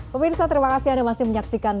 pemirsa terima kasih anda masih menyaksikan